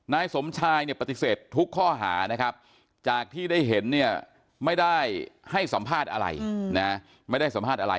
นายสมชายเนี่ยปฏิเสธทุกข้อหานะครับจากที่ได้เห็นเนี่ยไม่ได้ให้สัมภาษณ์อะไรนะไม่ได้สัมภาษณ์อะไร